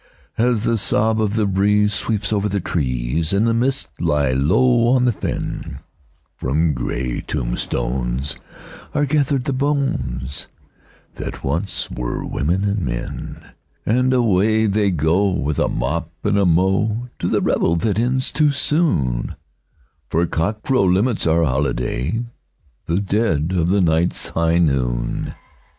As the sob of the breeze sweeps over the trees, and the mists lie low on the fen, From grey tombstones are gathered the bones that once were women and men, And away they go, with a mop and a mow, to the revel that ends too soon, For cockcrow limits our holiday—the dead of the night's high noon!